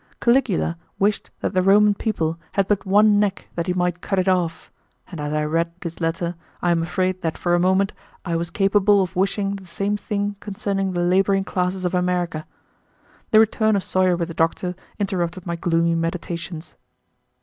Caligula wished that the Roman people had but one neck that he might cut it off, and as I read this letter I am afraid that for a moment I was capable of wishing the same thing concerning the laboring classes of America. The return of Sawyer with the doctor interrupted my gloomy meditations.